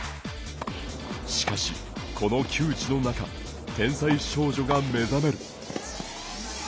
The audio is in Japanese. しかし、この窮地の中天才少女が目覚める。